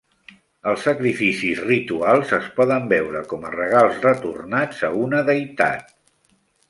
Els sacrificis rituals es poden veure com a regals retornats a una deïtat.